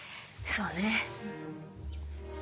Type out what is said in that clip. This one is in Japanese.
そうね。